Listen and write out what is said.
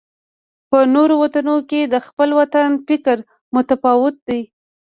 په نورو وطنونو کې د خپل وطن فکر متفاوت دی.